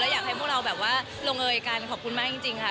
และอยากให้พวกเรารวงเอยกันขอบคุณมากจริงค่ะ